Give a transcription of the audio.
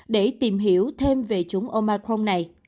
để tìm hiểu thêm về chủng omicron này